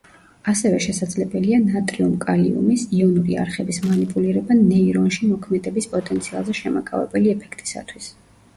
ასევე შესაძლებელია ნატრიუმ-კალიუმის იონური არხების მანიპულირება ნეირონში მოქმედების პოტენციალზე შემაკავებელი ეფექტისათვის.